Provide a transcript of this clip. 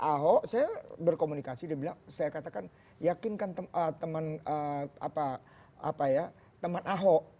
ahok saya berkomunikasi dia bilang saya katakan yakinkan teman ahok